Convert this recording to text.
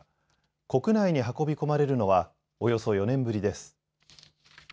国内に運び込まれるのはおよそ４年ぶりです。